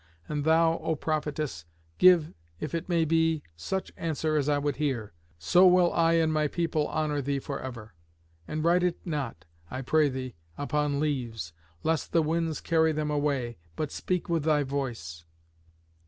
And thou, O Prophetess, give, if it may be, such answer as I would hear. So will I and my people honour thee for ever. And write it not, I pray thee, upon leaves, lest the winds carry them away, but speak with thy voice."